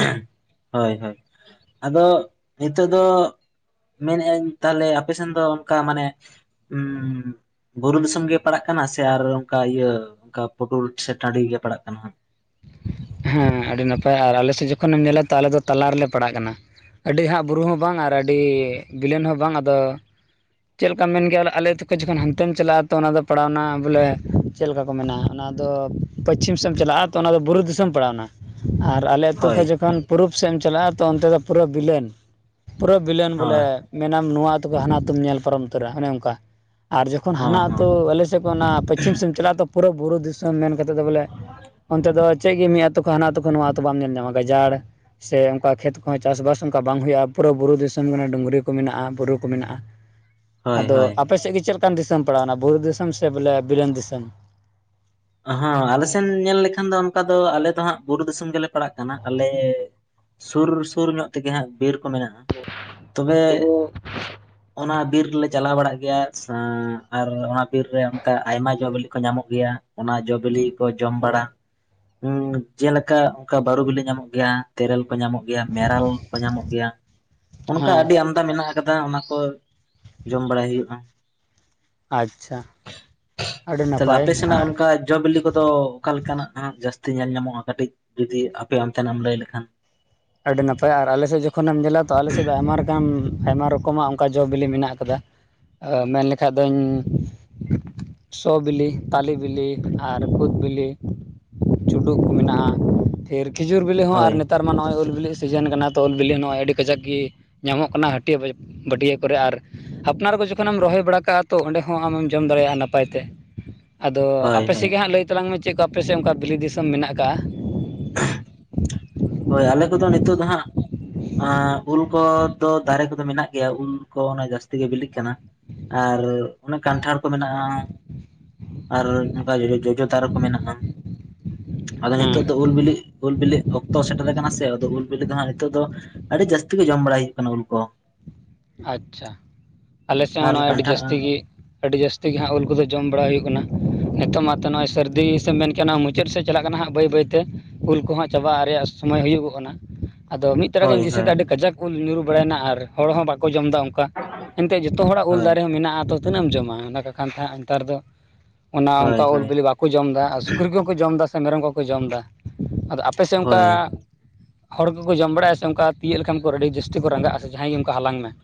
ᱮᱦᱮᱢ ᱦᱚᱭ ᱦᱚᱭ ᱟᱫᱚ ᱱᱤᱛᱚᱜ ᱫᱚ ᱢᱮᱱᱮᱜ-ᱟᱹᱧ ᱛᱟᱦᱞᱮ ᱟᱯᱮ ᱥᱮᱱ ᱫᱚ ᱚᱱᱠᱟ ᱢᱟᱱᱮ ᱵᱩᱨᱩ ᱫᱤᱥᱚᱢ ᱜᱮ ᱯᱟᱲᱟᱜ ᱠᱟᱱᱟ ᱥᱮ ᱟᱨ ᱚᱝᱠᱟ ᱤᱭᱟᱹ ᱚᱝᱠᱟ ᱯᱩᱴᱩᱨ ᱥᱮ ᱴᱟᱺᱰᱤ ᱜᱮ ᱯᱟᱲᱟᱜ ᱠᱟᱱᱟ ᱦᱟᱸᱜ ᱦᱮᱸ ᱟᱹᱰᱤ ᱱᱟᱯᱟᱭ ᱟᱨ ᱟᱞᱮ ᱥᱮᱫ ᱡᱚᱠᱷᱚᱱᱮᱢ ᱱᱮᱞᱟ ᱛᱟᱦᱞᱮ ᱫᱚ ᱛᱟᱞᱟ ᱨᱮᱞᱮ ᱯᱟᱲᱟᱜ ᱠᱟᱱᱟ᱾ ᱟᱹᱰᱤ ᱦᱟᱸᱜ ᱵᱩᱨᱩ ᱦᱚᱸ ᱵᱟᱝ ᱟᱨ ᱟᱹᱰᱤ ᱵᱤᱞᱮᱱ ᱦᱚᱸ ᱵᱟᱝ ᱟᱫᱚ᱾ ᱪᱮᱫ ᱞᱮᱠᱟᱢ ᱢᱮᱱ ᱠᱮᱜ-ᱟ ᱟᱞᱮ ᱟᱹᱛᱩ ᱠᱷᱚᱱ ᱡᱚᱠᱷᱚᱱ ᱦᱟᱱᱛᱮᱢ ᱪᱟᱞᱟᱜ-ᱟ ᱛᱚ ᱚᱱᱟᱫᱚ ᱯᱟᱲᱟᱣᱱᱟ ᱵᱚᱞᱮ ᱪᱮᱫ ᱞᱮᱠᱟ ᱠᱚ ᱢᱮ ᱚᱱᱟ ᱫᱚ ᱯᱚᱪᱷᱤᱢ ᱥᱮᱫ ᱮᱢ ᱪᱟᱞᱟᱜ-ᱟ ᱛᱚ ᱚᱱᱟᱫᱚ ᱵᱩᱨᱩ ᱫᱤᱥᱚᱢ ᱯᱟᱲᱟᱣᱱᱟ ᱟᱨ ᱟᱞᱮ ᱟᱹᱛᱩ ᱦᱳᱭ ᱠᱷᱚᱱ ᱡᱚᱠᱷᱚᱱ ᱯᱩᱨᱩᱵ ᱥᱮᱫ ᱮᱢ ᱪᱟᱞᱟᱜ-ᱟ ᱛᱚ ᱚᱱᱛᱮ ᱫᱚ ᱯᱩᱨᱟᱹ ᱵᱤᱞᱮᱱ ᱯᱩᱨᱟᱹ ᱵᱤᱞᱮᱱ ᱵᱚᱞᱮ ᱦᱳᱭ ᱢᱮᱱᱟᱢ ᱱᱚᱣᱟ ᱟᱹᱛᱩ ᱠᱷᱚᱱ ᱦᱟᱱᱟ ᱟᱹᱛᱩ ᱧᱮᱞ ᱯᱟᱨᱚᱢ ᱩᱛᱟᱹᱨᱟ ᱚᱱᱮ ᱚᱝᱠᱟ ᱟᱨ ᱡᱚᱠᱷᱚᱱ ᱦᱚᱸ ᱦᱟᱱᱟ ᱦᱚᱸ ᱟᱹᱛᱩ ᱟᱞᱮ ᱥᱮᱫ ᱠᱷᱚᱱ ᱚᱱᱟ ᱯᱚᱪᱷᱤᱢ ᱥᱮᱫ ᱪᱟᱞᱟᱜ-ᱟ ᱛᱚ ᱯᱩᱨᱟᱹ ᱵᱩᱨᱩ ᱫᱤᱥᱚᱢ ᱢᱮᱱ ᱠᱟᱛᱮᱫ ᱫᱚ ᱵᱚᱞᱮ ᱚᱱᱛᱮ ᱫᱚ ᱪᱮᱫ ᱜᱮ ᱢᱤᱭᱟᱫ ᱛᱚᱠᱷᱚᱱ ᱦᱟᱱᱟ ᱟᱹᱛᱩ ᱠᱷᱚᱱ ᱱᱚᱣᱟ ᱟᱹᱛᱩ ᱵᱟᱢ ᱧᱮᱞ ᱧᱟᱢᱟ ᱜᱟᱡᱟᱲ ᱥᱮ ᱚᱝᱠᱟ ᱠᱷᱮᱛ ᱠᱚᱦᱚᱸ ᱪᱟᱥ-ᱵᱟᱥ ᱚᱝᱠᱟ ᱵᱟᱝ ᱦᱩᱭᱩᱜ-ᱟ ᱯᱩᱨᱟᱹ ᱵᱩᱨᱩ ᱫᱤᱥᱚᱢ ᱠᱟᱱᱟ ᱰᱩᱝᱨᱤ ᱠᱚ ᱢᱮᱱᱟᱜ-ᱟ ᱵᱩᱨᱩ ᱠᱚ ᱢᱮᱱᱟᱜ-ᱟ᱾ ᱦᱳᱭ ᱟᱫᱚ ᱦᱳᱭ ᱟᱯᱮ ᱥᱮᱜ ᱜᱮ ᱪᱮᱫ ᱞᱮᱠᱟᱱ ᱫᱤᱥᱚᱢ ᱯᱟᱲᱟᱣᱱᱟ ᱵᱩᱨᱩ ᱫᱤᱥᱚᱢ ᱥᱮ ᱵᱚᱞᱮ ᱵᱤᱞᱮᱱ ᱫᱤᱥᱚᱢ᱾ ᱦᱟᱸ ᱟᱞᱮ ᱥᱮᱱ ᱧᱮᱞ ᱞᱮᱠᱷᱟᱱ ᱫᱚ ᱚᱱᱠᱟ ᱫᱚ ᱟᱞᱮ ᱫᱚ ᱦᱟᱸᱜ ᱵᱩᱨᱩ ᱫᱤᱥᱚᱢ ᱜᱮᱞᱮ ᱯᱟᱲᱟᱜ ᱠᱟᱱᱟ ᱟᱞᱮ ᱥᱩᱨ ᱥᱩᱨ ᱧᱚᱜ ᱛᱮᱜᱮ ᱦᱟᱸᱜ ᱵᱤᱨ ᱠᱚ ᱢᱮᱱᱟᱜ-ᱟ ᱛᱚᱵᱮ ᱚᱱᱟ ᱵᱤᱨ ᱨᱮᱞᱮ ᱪᱟᱞᱟᱣ ᱵᱟᱲᱟᱜ ᱜᱮᱭᱟ ᱥᱟᱸ ᱟᱨ ᱚᱱᱟ ᱵᱤᱨ ᱨᱮ ᱚᱝᱠᱟ ᱟᱭᱢᱟ ᱡᱚ ᱵᱤᱞᱤ ᱠᱚ ᱧᱟᱢᱚᱜ ᱜᱮᱭᱟ᱾ ᱚᱱᱟ ᱡᱚ-ᱵᱤᱞᱤ ᱠᱚ ᱡᱚᱢ ᱵᱟᱲᱟ ᱦᱮᱸ ᱡᱮᱞᱮᱠᱟ ᱚᱝᱠᱟ ᱵᱟᱹᱨᱩ ᱵᱤᱞᱤ ᱧᱟᱢᱚᱜ ᱜᱮᱭᱟ ᱛᱮᱨᱮᱞ ᱠᱚ ᱧᱟᱢᱚᱜ ᱜᱮᱭᱟ ᱢᱮᱨᱟᱞ ᱠᱚ ᱧᱟᱢᱚᱜ ᱜᱮᱭᱟ ᱚᱱᱠᱟ ᱦᱮᱸ ᱟᱹᱰᱤ ᱟᱢ ᱫᱟ ᱢᱮᱱᱟᱜ ᱟᱠᱟᱫᱟ ᱚᱱᱟ ᱠᱚ ᱡᱚᱢ ᱵᱟᱲᱟᱭ ᱦᱩᱭᱩᱜ-ᱟ᱾ ᱟᱪᱪᱷᱟ ᱟᱹᱰᱤ ᱱᱟᱯᱟᱭ ᱟᱨ ᱟᱡ ᱡᱚ ᱵᱤᱞᱤ ᱠᱚᱫᱚ ᱚᱠᱟ ᱞᱮᱠᱟᱱᱟᱜ ᱦᱟᱸᱜ ᱡᱟᱹᱥᱛᱤ ᱧᱮᱞ ᱧᱟᱢᱚᱜ-ᱟ ᱠᱟᱹᱴᱤᱡ ᱡᱩᱫᱤ ᱟᱯᱮ ᱚᱱᱛᱮᱱᱟᱜ ᱮᱢ ᱞᱟᱹᱭ ᱞᱮᱠᱷᱟᱱ ᱟᱹᱰᱤ ᱱᱟᱯᱟᱭ ᱟᱨ ᱟᱞᱮᱥᱮᱫ ᱡᱚᱠᱷᱚᱱᱮᱢ ᱧᱮᱞᱟ ᱛᱚ ᱟᱞᱮᱥᱮᱫ ᱫᱚ ᱟᱭᱢᱟ ᱞᱮᱠᱟᱱ ᱟᱭᱢᱟ ᱨᱚᱠ ᱠᱚᱢᱟᱜ ᱚᱝᱠᱟ ᱡᱚ ᱵᱤᱞᱤ ᱢᱮᱱᱟᱜ ᱟᱠᱟᱫᱟ ᱢᱮᱱ ᱞᱮᱠᱷᱟᱡ ᱫᱩᱧ ᱥᱚ ᱵᱤᱞᱤ ᱛᱟᱞᱮ ᱵᱤᱞᱤ ᱟᱨ ᱠᱩᱫᱽ ᱵᱤᱞᱤ ᱪᱩᱰᱩᱜ ᱠᱚ ᱢᱮᱱᱟᱜ-ᱟ ᱯᱷᱤᱨ ᱠᱷᱤᱡᱩᱨ ᱵᱤᱞᱤ ᱦᱚᱸ ᱟᱨ ᱦᱳᱭ ᱱᱮᱛᱟᱨ ᱢᱟ ᱱᱚᱜ-ᱚᱭ ᱩᱞ ᱵᱚᱞᱮᱜ ᱥᱤᱡᱮᱱ ᱠᱟᱱᱟ ᱛᱚ ᱩᱞ ᱵᱤᱞᱤ ᱦᱚᱸ ᱱᱚᱜ-ᱚᱭ ᱟᱹᱰᱤ ᱠᱟᱡᱟᱠ ᱜᱮ ᱧᱟᱢᱚᱜ ᱠᱟᱱᱟ ᱦᱟᱹᱴᱤᱭᱟᱹ [unintelligible] ᱵᱟᱹᱴᱤᱭᱟᱹ ᱠᱚᱨᱮ ᱟᱨ ᱟᱯᱱᱟᱨ ᱠᱚ ᱡᱚᱠᱷᱚᱱᱮᱢ ᱨᱚᱦᱚᱭ ᱵᱟᱲᱟ ᱠᱟᱜ-ᱟ ᱛᱚ ᱚᱸᱰᱮ ᱦᱚᱸ ᱟᱢᱮᱢ ᱡᱚᱢ ᱫᱟᱲᱮᱭᱟᱜ-ᱟ ᱱᱟᱯᱟᱭ ᱛᱮ ᱟᱫᱚ ᱦᱳᱭ ᱦᱳᱭ ᱟᱯᱮᱥᱮᱜ ᱜᱮ ᱦᱟᱸᱜ ᱞᱟᱹᱭ ᱛᱟᱞᱟᱝ ᱢᱮ ᱪᱮᱜ ᱠᱚ ᱟᱯᱮ ᱥᱮᱜ ᱚᱱᱠᱟ ᱵᱤᱞᱤ ᱫᱤᱥᱚᱢ ᱢᱮᱱᱟᱜ ᱟᱠᱟᱜ-ᱟ᱾ ᱦᱚᱭ ᱟᱞᱮ ᱠᱚᱫᱚ ᱱᱤᱛᱚᱜ ᱫᱚ ᱦᱟᱸᱜ ᱟᱸ ᱩᱞ ᱠᱚ ᱫᱚ ᱫᱟᱨᱮ ᱠᱚᱫᱚ ᱢᱮᱱᱟᱜ ᱜᱮᱭᱟ ᱩᱞ ᱠᱚ ᱚᱱᱟ ᱡᱟᱹᱥᱛᱤ ᱜᱮ ᱵᱤᱞᱤᱜ ᱠᱟᱱᱟ᱾ ᱟᱨ ᱚᱱᱮ ᱠᱟᱱᱴᱷᱟᱲ ᱠᱚ ᱢᱮᱱᱟᱜ-ᱟ᱾ ᱟᱨ ᱚᱱᱠᱟ ᱡᱚᱡᱚ ᱡᱚᱡᱚ ᱫᱟᱨᱮ ᱠᱚ ᱢᱮᱱᱟᱜ-ᱟ᱾ ᱟᱫᱚ ᱱᱤᱛᱚᱜ ᱦᱮᱸ ᱫᱚ ᱩᱞ ᱵᱤᱞᱤ ᱩᱞ ᱵᱤᱞᱤ ᱚᱠᱛᱚ ᱥᱮᱴᱮᱨ ᱟᱠᱟᱱᱟ ᱥᱮ ᱟᱫᱚ ᱩᱞ ᱵᱤᱞᱤ ᱫᱚ ᱦᱟᱜ ᱱᱤᱛᱚᱜ ᱫᱚ ᱟᱹᱰᱤ ᱡᱟᱹᱥᱛᱤ ᱜᱮ ᱡᱚᱢ ᱵᱟᱲᱟᱭ ᱦᱩᱭᱩᱜ ᱠᱟᱱᱟ ᱩᱞ ᱠᱚ ᱟᱪᱪᱷᱟ ᱟᱞᱮ ᱥᱮᱫ ᱦᱚᱸ ᱟᱨ ᱱᱚᱜᱚᱭ ᱟᱹᱰᱤ ᱠᱟᱱᱴᱷᱟᱲ ᱡᱟᱹᱥᱛᱤ ᱜᱮ ᱟᱹᱰᱤ ᱡᱟᱹᱥᱛᱤ ᱜᱮ ᱦᱟᱸᱜ ᱩᱞ ᱠᱚᱫᱚ ᱡᱚᱢ ᱵᱟᱲᱟ ᱦᱩᱭᱩᱜ, ᱠᱟᱱᱟ ᱱᱤᱛᱚᱜ ᱢᱟᱛᱚ ᱱᱚᱜᱼᱚᱭ ᱥᱟᱹᱨᱫᱤ ᱥᱮᱢ ᱢᱮᱱ ᱠᱮᱜᱟ ᱢᱩ ᱪᱮᱫ ᱥᱮᱫ ᱪᱟᱞᱟᱜ ᱠᱟᱱᱟ ᱦᱟᱸᱜ ᱵᱟᱹᱭ ᱵᱟᱹᱭ ᱛᱮ ᱩᱞ ᱠᱚᱦᱟᱸᱜ ᱪᱟᱵᱟᱜ ᱨᱮᱭᱟᱜ ᱥᱚᱢᱚᱭ ᱦᱩᱭᱩᱜᱚᱜ ᱠᱟᱱᱟ᱾ [inaudible] ᱟᱫᱚ ᱢᱤᱫ ᱛᱟᱨᱟ ᱦᱳᱭ ᱜᱤᱧ ᱫᱤᱥᱟᱹᱭ ᱦᱳᱭ ᱫᱟ ᱟᱹᱰᱤ ᱠᱟᱡᱟᱠ ᱩᱞ ᱧᱩᱨᱩ ᱵᱟᱲᱟᱭ ᱮᱱᱟ ᱟᱨ ᱦᱚᱲ ᱦᱚᱸ ᱵᱟᱠᱚ ᱡᱚᱢᱫᱟ ᱚᱱᱠᱟ᱾ ᱮᱱᱛᱮᱫ ᱡᱚᱛᱚ ᱦᱚᱲᱟᱜ ᱩᱞ ᱦᱳᱭ ᱫᱟᱨᱮ ᱦᱚᱸ ᱢᱮᱱᱟᱜᱼᱟ ᱛᱚ ᱛᱤᱱᱟᱹᱜ ᱮᱢ ᱡᱚᱢᱟ ᱚᱱᱟ ᱠᱚ ᱠᱟᱱᱛᱟ ᱱᱮᱛᱟᱨ ᱫᱚ᱾ ᱚᱱᱟ ᱚᱱᱠᱟ ᱦᱳᱭ ᱩᱞ ᱦᱳᱭ ᱵᱤᱞᱤ ᱵᱟᱠᱚ ᱡᱚᱢᱫᱟ ᱟᱨ ᱥᱩᱠᱨᱤ ᱠᱚᱦᱚᱸ ᱠᱚ ᱡᱚᱢ ᱮᱫᱟ ᱥᱮ ᱢᱮᱨᱚᱢ ᱠᱚᱠᱚ ᱡᱚᱢᱫᱟ᱾ᱟᱫᱚ ᱟᱯ ᱟᱯᱮ ᱥᱮᱜ ᱚᱱᱠᱟ ᱦᱳᱭ ᱦᱚᱲ ᱠᱚᱠᱚ ᱡᱚᱢ ᱵᱟᱲᱟᱜᱼᱟ ᱥᱮ ᱚᱱᱠᱟ ᱛᱤᱭᱟᱹᱜ ᱞᱮᱠᱷᱟᱱ ᱠᱚ ᱟᱹᱰᱤ ᱡᱟᱥᱛᱤ ᱠᱚ ᱨᱟᱸᱜᱤᱜᱼᱟ ᱥᱮ ᱡᱟᱦᱟᱭ ᱜᱮ ᱚᱱᱠᱟ ᱦᱟᱞᱟᱝ ᱢᱮ᱾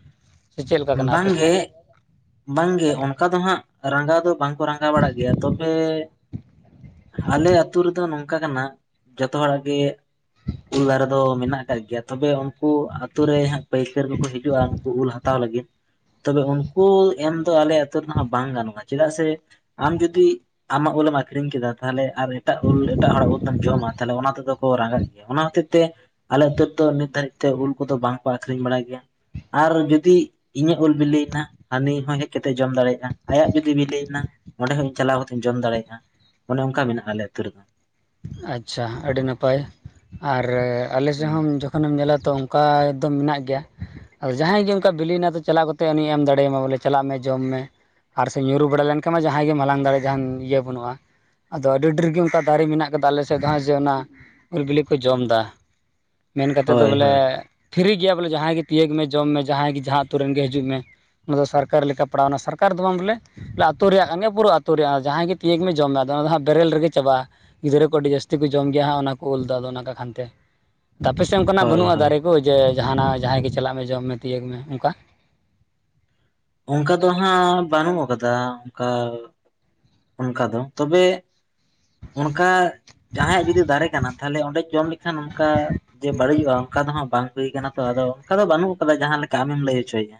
ᱥᱮ ᱪᱮᱫ ᱞᱮᱠᱟ ᱠᱟᱱᱟ ᱟᱯᱮ ᱵᱟᱝ ᱜᱮ᱾ ᱥᱮᱫ ᱵᱟᱝ ᱜᱮ ᱚᱱᱠᱟ ᱫᱚ ᱦᱟᱸᱜ ᱨᱟᱸᱜᱟᱣ ᱫᱚ ᱵᱟᱝ ᱠᱚ ᱨᱟᱸᱜᱟᱣ ᱵᱟᱲᱟᱜ ᱜᱮᱭᱟ ᱛᱚᱵᱮ ᱟᱞᱮ ᱟᱹᱛᱩ ᱨᱮᱫᱚ ᱱᱚᱝᱠᱟ ᱠᱟᱱᱟ ᱡᱚᱛᱚ ᱦᱚᱲᱟᱜ ᱜᱮ ᱩᱞ ᱫᱟᱨᱮ ᱫᱚ ᱢᱮᱱᱟᱜ ᱟᱠᱟᱜ ᱜᱮᱭᱟ ᱛᱚᱵᱮ ᱩᱱᱠᱩ ᱟᱹᱛᱩ ᱨᱮ ᱦᱟᱸᱜ ᱯᱟᱹᱭᱠᱟᱹᱨ ᱠᱚᱠᱚ ᱦᱤᱡᱩᱜᱼᱟ ᱩᱱᱠᱩ ᱩᱞ ᱦᱟᱛᱟᱣ᱾ ᱦᱟᱛᱟᱣ ᱞᱟᱹᱜᱤᱫ ᱛᱚᱵᱮ ᱩᱱᱠᱩ ᱮᱢ ᱫᱚ ᱟᱞᱮ ᱟᱛᱳ ᱨᱮᱫᱚ ᱵᱟᱝ ᱜᱟᱱᱚᱜᱼᱟ ᱪᱮᱫᱟᱜ ᱥᱮ ᱟᱢ ᱡᱩᱫᱤ ᱟᱢᱟᱜ ᱩᱞ ᱮᱢ ᱟᱠᱷᱨᱤᱧ ᱠᱮᱫᱟ ᱛᱟᱦᱚᱞᱮ ᱟᱨ ᱮᱴᱟᱜ ᱩᱞ ᱮᱴᱟᱜ ᱦᱚᱲᱟᱜ ᱩᱞ ᱫᱚᱢ ᱡᱚᱢᱟ ᱛᱟᱦᱚᱞᱮ ᱚᱱᱟ ᱛᱮᱫᱚ ᱠᱚ ᱨᱟᱸᱜᱤᱜ ᱜᱮᱭᱟ ᱚᱱᱟ ᱦᱚᱛᱮᱡ ᱛᱮ ᱟᱞᱮ ᱟ ᱟᱹᱛᱩ ᱨᱮᱫᱚ ᱱᱤᱛ ᱫᱷᱟᱹᱨᱤᱡ ᱛᱮ ᱩᱞ ᱠᱚᱫᱚ ᱵᱟᱝ ᱠᱚ ᱟᱠᱷᱨᱤᱧ ᱵᱟᱲᱟᱭ ᱜᱮᱭᱟ ᱟᱨ ᱡᱩᱫᱤ ᱡᱩᱫᱤ ᱤᱧᱟᱹᱜ ᱩᱞ ᱵᱤᱞᱤ ᱮᱱᱟ ᱦᱟᱱᱤ ᱦᱚᱸ ᱦᱮᱡ ᱠᱟᱛᱮᱫ ᱡᱚᱢ ᱫᱟᱲᱮᱭᱟᱜᱼᱟ, ᱟᱭᱟᱜ ᱡᱩᱫᱤ ᱵᱤᱞᱤ ᱮᱱᱟ ᱚᱸᱰᱮ ᱦᱚᱸ ᱪᱟᱞᱟᱣ ᱠᱟᱛᱮ ᱤᱧ ᱡᱚᱢ ᱫᱟᱲᱮᱭᱟᱜᱼᱟ ᱚᱱᱮ ᱚᱱᱠᱟ ᱢᱮᱱᱟᱜᱼᱟ ᱟᱞᱮ ᱟᱹᱛᱩ ᱨᱮᱫᱚ᱾ ᱟᱪᱪᱷᱟ ᱟᱹᱰᱤ ᱱᱟᱯᱟᱭ ᱟᱨ ᱟᱞᱮ ᱥᱮᱫ ᱦᱩᱸ ᱦᱚᱸ ᱡᱷᱚ ᱛᱚᱠᱷᱚᱱ ᱮᱢ ᱧᱮᱞᱟ ᱛᱚ ᱚᱱᱠᱟ ᱫᱚ ᱢᱮᱱᱟᱜ ᱜᱮᱭᱟ᱾ ᱟᱫᱚ ᱡᱟᱦᱟᱸᱭ ᱜᱮ ᱚᱱᱠᱟ ᱵᱤᱞᱤ ᱭᱮᱱᱟ ᱛᱚ ᱪᱟᱞᱟᱣ ᱠᱟᱛᱮᱜ ᱩᱱᱤᱭ ᱮᱢ ᱫᱟᱲᱮᱭᱟᱢᱟ ᱵᱚᱞᱮ ᱪᱟᱞᱟᱜ ᱢᱮ ᱡᱚᱢ ᱢᱮ᱾ ᱟᱨ ᱥᱮ ᱧᱩᱨᱩ ᱵᱟᱲᱟ ᱞᱮᱱᱠᱷᱟᱱ ᱢᱟ ᱡᱟᱦᱟᱸᱭ ᱜᱮ ᱦᱟᱞᱟᱝ ᱫᱟᱲᱮ ᱡᱟᱦᱟᱱ ᱤᱭᱟᱹ ᱵᱟᱹᱱᱩᱜᱼᱟ᱾ ᱟᱫᱚ ᱟᱹᱰᱤ ᱰᱷᱮᱨ ᱜᱮ ᱟᱨ ᱫᱟᱨᱮ ᱢᱮᱱᱟᱜ ᱠᱟᱫᱟ ᱟᱞᱮ ᱥᱮᱫ ᱫᱚ ᱡᱮ ᱚᱱᱟ ᱩᱞ ᱵᱤᱞᱤ ᱠᱚ ᱡᱚᱢ ᱫᱟ ᱢᱮᱱ ᱠᱟᱛᱮᱫ ᱫᱚ ᱦᱳᱭ ᱵᱚᱞᱮ ᱦᱳᱭ ᱯᱷᱤᱨᱤ ᱜᱮᱭᱟ ᱵᱚᱞᱮ ᱡᱟᱦᱟᱸᱭ ᱜᱮ ᱛᱤᱭᱟᱹᱜ ᱢᱮ ᱡᱚᱢ ᱢᱮ ᱡᱟᱦᱟᱸᱭ ᱜᱮ ᱡᱟᱦᱟᱸ ᱟᱛᱳ ᱨᱮᱱ ᱜᱮ ᱦᱤᱡᱩᱜ ᱢᱮ ᱚᱱᱟ ᱫᱚ ᱥᱟᱨᱠᱟᱨ ᱞᱮᱠᱟ ᱯᱟᱲᱟᱣᱱᱟ, ᱥᱟᱨᱠᱟᱨ ᱫᱚ ᱵᱟᱝ ᱵᱚᱞᱮ ᱟᱹᱛᱩ ᱨᱮᱭᱟᱜ ᱠᱟᱱ ᱜᱮᱭᱟ ᱯᱩᱨᱟᱹ ᱟᱹᱛᱩ ᱨᱮᱭᱟᱜ ᱡᱟᱦᱟᱸᱭ ᱜᱮ ᱛᱤᱭᱟᱹᱠ ᱢᱮ ᱡᱚᱢ ᱢᱮ ᱟᱫᱚ ᱚᱱᱟ ᱫᱚ ᱦᱟᱜ ᱵᱮᱨᱮᱞ ᱨᱮᱜᱮ ᱪᱟᱵᱟᱜᱼᱟ᱾ ᱜᱤᱫᱽᱨᱟᱹ ᱠᱚ ᱟᱹᱰᱤ ᱡᱟᱹᱥᱛᱤ ᱠᱚ ᱡᱚᱢ ᱜᱮᱭᱟ ᱦᱟᱜ ᱚᱱᱟ ᱠᱚ ᱩᱞ ᱫᱚ ᱟᱫᱚ ᱚᱱᱟ ᱠᱚ ᱠᱷᱟᱱᱛᱮ, ᱟᱯᱮ ᱥᱮᱫ ᱚᱱᱠᱟᱱᱟᱜ ᱦᱳᱭ ᱵᱟᱹᱱᱩᱜᱼᱟ ᱦᱳᱭ ᱫᱟᱨᱮ ᱠᱚ? ᱡᱮ ᱡᱟᱦᱟᱱᱟᱜ ᱡᱟᱦᱟᱸᱭ ᱜᱮ ᱪᱟᱞᱟᱜ ᱢᱮ ᱡᱚᱢ ᱢᱮ ᱛᱤᱭᱳᱜᱽ ᱢᱮ ᱚᱱᱠᱟ᱾ ᱚᱱᱠᱟ ᱫᱚ ᱦᱟᱸᱜ ᱵᱟᱹᱱᱩᱜ ᱟᱠᱟᱫᱟ ᱚᱱᱠᱟ ᱚᱱᱠᱟ ᱫᱚ ᱛᱚᱵᱮ ᱚᱱᱠᱟ ᱡᱟᱦᱟᱸᱭᱟᱜ ᱡᱩᱫᱤ ᱫᱟᱨᱮ ᱠᱟᱱᱟ ᱛᱟᱦᱚᱞᱮ ᱚᱸᱰᱮ ᱡᱚᱢ ᱞᱮᱠᱷᱟᱱ ᱚᱱᱠᱟ ᱡᱮ ᱵᱟᱹᱲᱤᱡᱚᱜᱼᱟ ᱚᱱᱠᱟ ᱫᱚ ᱦᱟᱸᱜ ᱵᱟᱝ᱾ ᱦᱩᱭ ᱠᱟᱱᱟ ᱛᱚ ᱟᱫᱚ ᱚᱱᱠᱟ ᱫᱚ ᱵᱟᱹᱱᱩᱜ ᱟᱠᱟᱫᱟ ᱡᱟᱦᱟᱸ ᱞᱮᱠᱟ ᱟᱢᱮᱢ ᱞᱟᱹᱭ ᱦᱚᱪᱚ ᱭᱮᱜᱟ᱾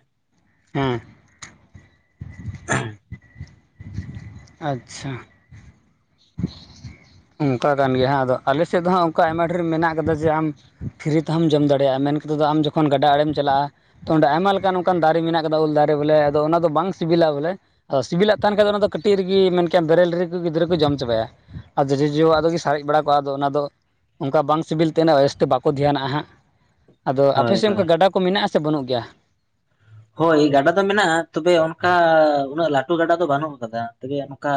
ᱦᱮᱸ᱾ [unintelligible] ᱟᱪᱪᱷᱟ᱾ [unintelligible] ᱚᱱᱠᱟ ᱠᱟᱱ ᱜᱮᱭᱟ ᱦᱟᱸᱜ ᱟᱫᱚ ᱟᱞᱮ ᱥᱮᱫ ᱫᱚ ᱦᱟᱸᱜ ᱚᱱᱠᱟ ᱟᱭᱢᱟ ᱰᱷᱮᱨ ᱢᱮᱱᱟᱜ ᱟᱠᱟᱫᱟ ᱡᱮ ᱟᱢ ᱯᱷᱤᱨᱤ ᱛᱮᱦᱚᱢ ᱡᱚᱢ ᱫᱟᱲᱮᱭᱟᱜᱼᱟ ᱢᱮᱱ ᱠᱟᱛᱮᱫ ᱫᱚ ᱟᱢ ᱡᱚᱠᱷᱚᱱ ᱜᱟᱰᱟ ᱟᱲᱮᱢ ᱪᱟᱞᱟᱜᱼᱟ᱾ ᱛᱚ ᱚᱸᱰᱮ ᱟᱭᱢᱟ ᱞᱮᱠᱟᱱ ᱚᱱᱠᱟᱱ ᱫᱟᱨᱮ ᱢᱮᱱᱟᱜ ᱠᱟᱫᱟ ᱩᱞ ᱫᱟᱨᱮ ᱵᱚᱞᱮ ᱟᱫᱚ ᱚᱱᱟ ᱫᱚ ᱵᱟᱝ ᱥᱤᱵᱤᱞᱟ ᱵᱚᱞᱮ᱾ ᱥᱤᱵᱤᱞᱟᱜ ᱛᱟᱦᱮᱱ ᱠᱷᱟᱱ ᱫᱚ ᱚᱱᱟ ᱫᱚ ᱠᱟᱹᱴᱤᱡ ᱨᱮᱜᱮ ᱢᱮᱱᱟᱱ ᱵᱮᱨᱮᱞ ᱨᱮᱜ ᱜᱤᱫᱽᱨᱟᱹ ᱠᱚ ᱡᱚᱢ ᱪᱟᱵᱟᱭᱟ ᱟᱨ ᱡᱚᱡᱚ ᱡᱚᱡᱚ ᱥᱟᱨᱮᱡ ᱵᱟᱲᱟ ᱠᱚᱜᱟ ᱟᱫᱚ ᱚᱱᱟ ᱫᱚ ᱚᱱᱠᱟ ᱵᱟᱝ ᱥᱤᱵᱤᱞ ᱛᱮ ᱩᱱᱟᱹᱜ ᱡᱟᱥᱤᱛ ᱵᱟᱠᱚ ᱫᱷᱮᱭᱟᱱᱟᱜᱼᱟ ᱦᱟᱸᱜ᱾ ᱟᱫᱚ ᱟᱯᱮ ᱦᱳᱭ ᱥᱮᱫ ᱦᱳᱭ ᱚᱱᱠᱟ ᱜᱟᱰᱟ ᱠᱚ ᱢᱮᱱᱟᱜᱼᱟ ᱥᱮ ᱵᱟᱹᱱᱩᱜ ᱜᱮᱭᱟ? ᱦᱳᱭ ᱜᱟᱰᱟ ᱫᱚ ᱢᱮᱱᱟᱜ-ᱟ, ᱛᱚᱵᱮ ᱚᱱᱠᱟ ᱩᱱᱟᱹᱜ ᱞᱟᱹᱴᱩ ᱜᱟᱰᱟ ᱫᱚ ᱵᱟᱹᱱᱩᱜ ᱟᱠᱟᱫᱟ᱾ ᱛᱚᱵᱮ ᱚᱱᱠᱟ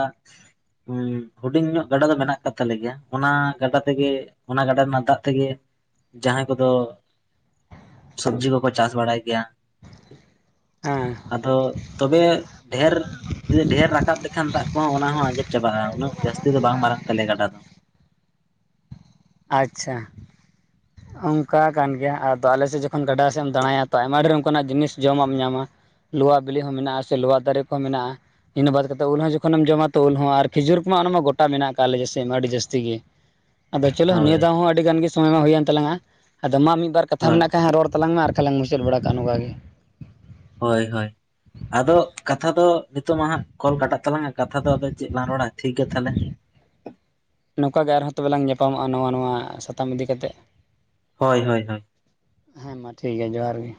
ᱦᱩᱰᱤᱧ ᱧᱚᱜ ᱜᱟᱰᱟ ᱫᱚ ᱢᱮᱱᱟᱜ ᱟᱠᱟᱫ ᱛᱟᱞᱮ ᱜᱮᱭᱟ᱾ ᱚᱱᱟ ᱜᱟᱰᱟ ᱛᱮᱜᱮ ᱚᱱᱟ ᱜᱟᱰᱟ ᱨᱮᱱᱟᱜ ᱫᱟᱜ ᱛᱮᱜᱮ ᱡᱟᱦᱟᱸᱭ ᱠᱚᱫᱚ ᱥᱚᱵᱽᱡᱤ ᱠᱚᱠᱚ ᱪᱟᱥ ᱵᱟᱲᱟᱭ ᱜᱮᱭᱟ᱾ ᱮᱸ᱾ ᱟᱫᱚ ᱛᱚᱵᱮ ᱰᱷᱮᱨᱼᱼ ᱡᱩᱫᱤ ᱰᱷᱮᱨ ᱨᱟᱠᱟᱵ ᱞᱮᱠᱷᱟᱱ ᱫᱟᱜ ᱠᱚᱦᱚᱸ ᱟᱱᱟ ᱦᱚᱸ ᱟᱸᱡᱮᱫ ᱪᱟᱵᱟᱜ-ᱟ, ᱩᱱᱟᱹᱜ ᱡᱟᱹᱥᱛᱤ ᱫᱚ ᱵᱟᱝ ᱢᱟᱨᱟᱝ ᱛᱟᱞᱮᱭᱟ ᱜᱟᱰᱟ ᱫᱚ᱾ ᱟᱪᱪᱷᱟ᱾ ᱚᱝᱠᱟ ᱠᱟᱱ ᱜᱮᱭᱟ᱾ᱟᱫᱚ ᱟᱞᱮ ᱥᱮᱜ ᱡᱚᱠᱷᱚᱱ ᱜᱟᱰᱟ ᱥᱮ ᱮᱢ ᱫᱟᱬᱟᱭᱟ ᱛᱚ, ᱟᱭᱢᱟ ᱰᱷᱮᱨ ᱚᱱᱠᱟ ᱱᱟᱜ ᱡᱤᱱᱤᱥ ᱡᱚᱢᱟᱜ ᱮᱢ ᱧᱟᱢᱟ᱾ ᱞᱩᱣᱟ ᱵᱤᱞᱤ ᱦᱚᱸ ᱢᱮᱱᱟᱜ-ᱟ, ᱥᱮ ᱞᱚᱣᱟ ᱫᱟᱨᱮ ᱠᱚᱦᱚᱸ ᱢᱮᱱᱟᱜ-ᱟ᱾ ᱤᱱᱟᱹ ᱵᱟᱫᱽ ᱠᱟᱛᱮᱜ ᱩᱞ ᱦᱚᱸ ᱡᱚᱠᱷᱚᱱᱮᱢ ᱡᱚᱢᱟ ᱛᱚ ᱩᱞ ᱦᱚᱸ ᱟᱨ ᱠᱷᱤᱡᱩᱨ ᱠᱚᱢᱟ ᱚᱱᱟ ᱢᱟ ᱜᱚᱴᱟ ᱢᱮᱱᱟᱜ ᱟᱠᱟᱜ-ᱟ ᱟᱞᱮ ᱡᱮ ᱥᱮᱫ ᱢᱟ ᱟᱹᱰᱤ ᱡᱟᱹᱥᱛᱤ ᱜᱤ᱾ [inaudible] ᱟᱫᱚ ᱪᱚᱞᱚ ᱱᱤᱭᱟᱹ ᱦᱳᱭ ᱫᱷᱟᱣ ᱦᱚᱸ ᱟᱹᱰᱤ ᱜᱟᱱ ᱜᱮ ᱥᱚᱢᱚᱭ ᱢᱟ ᱦᱩᱭᱮᱱ ᱛᱟᱞᱟᱝᱟ᱾ ᱟᱫᱚ ᱢᱟ ᱢᱤᱫ ᱵᱟᱨ ᱠᱟᱛᱷᱟ ᱦᱳᱭ ᱢᱮᱱᱟᱜ ᱠᱷᱟᱡ ᱨᱚᱲ ᱛᱟᱞᱟᱝ ᱢᱮ ᱟᱨᱼᱼ ᱟᱨ ᱞᱟᱝ ᱢᱩᱪᱟᱹᱫ ᱵᱟᱲᱟ ᱠᱟᱜ-ᱟ, ᱱᱚᱝᱠᱟ ᱜᱮ᱾ ᱦᱚᱭ, ᱦᱚᱭ᱾ ᱟᱫᱚ ᱠᱟᱛᱷᱟ ᱫᱚ ᱱᱤᱛᱚᱜ ᱢᱟ ᱦᱟᱸᱜ ᱠᱚᱞ ᱠᱟᱴᱟᱜ ᱛᱟᱞᱟᱝᱟ, ᱠᱟᱛᱷᱟ ᱫᱚ ᱟᱫᱚ ᱪᱮᱜ ᱞᱟᱝ ᱨᱚᱲᱟ ᱴᱷᱤᱠ ᱜᱮᱭᱟ ᱛᱟᱦᱚᱞᱮ᱾ ᱱᱚᱝᱠᱟ ᱜᱮ ᱟᱨᱦᱚᱸ ᱛᱚᱵᱮ ᱮᱞᱟᱝ ᱧᱟᱯᱟᱢᱚᱜ-ᱟ, ᱱᱚᱣᱟ ᱱᱚᱣᱟ ᱥᱟᱛᱟᱢ ᱤᱫᱤ ᱠᱟᱛᱮᱜ᱾ ᱦᱚᱭ, ᱦᱚᱭ, ᱦᱳᱭ᱾ ᱦᱮᱸ ᱢᱟ ᱴᱷᱤᱠ ᱜᱮᱭᱟ, ᱡᱚᱦᱟᱨ ᱜᱮ᱾